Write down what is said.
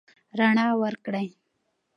رڼا ورکړئ.